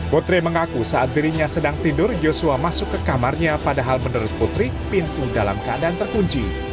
putri mengaku saat dirinya sedang tidur joshua masuk ke kamarnya padahal menurut putri pintu dalam keadaan terkunci